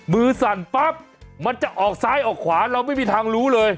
สั่นปั๊บมันจะออกซ้ายออกขวาเราไม่มีทางรู้เลย